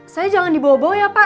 saya jangan dibawa bawa ya pak